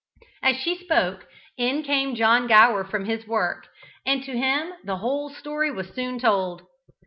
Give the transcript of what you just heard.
As she spoke, in came John Gower from his work, and to him the whole story was soon told.